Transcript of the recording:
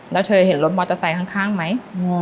แล้วเธอเห็นรถมอเตอร์ไซค์ข้างไหม